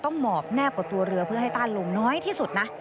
หมอบแนบกว่าตัวเรือเพื่อให้ต้านลงน้อยที่สุดนะ